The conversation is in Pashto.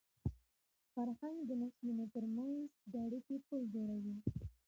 فرهنګ د نسلونو تر منځ د اړیکي پُل جوړوي.